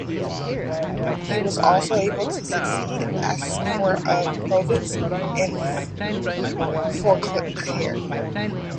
He was also able to succeed her as count of Provence and Forcalquier.